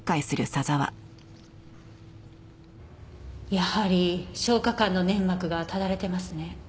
やはり消化管の粘膜がただれてますね。